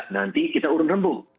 nanti kita urun rembuk